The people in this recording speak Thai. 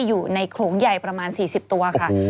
อยู่ในโขลงใหญ่ประมาณ๔๐ตัวค่ะ